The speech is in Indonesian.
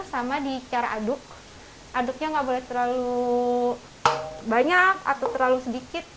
sama di cara aduk aduknya nggak boleh terlalu banyak atau terlalu sedikit